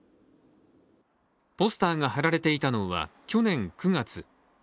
ポスターが貼られていたのは去年９月。